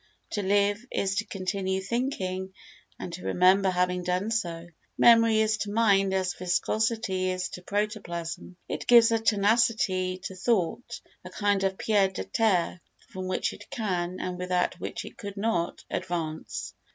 To live is to continue thinking and to remember having done so. Memory is to mind as viscosity is to protoplasm, it gives a tenacity to thought—a kind of pied à terre from which it can, and without which it could not, advance.